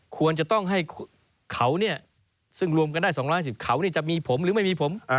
ควรจะต้องให้เขาเนี่ยซึ่งรวมกันได้๒๑๐เขาจะมีผมหรือไม่มีผม